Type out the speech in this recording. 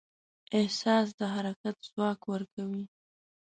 احساس د حرکت ځواک ورکوي.